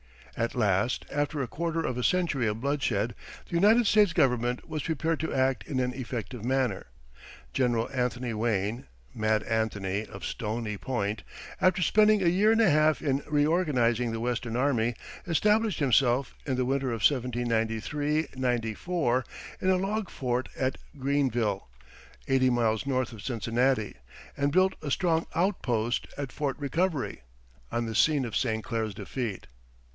At last, after a quarter of a century of bloodshed, the United States Government was prepared to act in an effective manner. General Anthony Wayne "Mad Anthony," of Stony Point after spending a year and a half in reorganizing the Western army, established himself, in the winter of 1793 94, in a log fort at Greenville, eighty miles north of Cincinnati, and built a strong outpost at Fort Recovery, on the scene of St. Clair's defeat.